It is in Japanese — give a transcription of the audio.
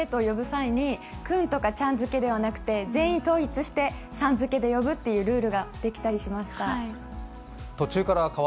際に君とかちゃん付けではなくて、全員統一してさん付けで呼ぶというルールができたりしました。